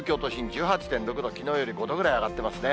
１８．６度、きのうより５度ぐらい上がっていますね。